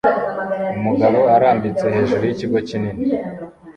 Umugabo urambitse hejuru yikigo kinini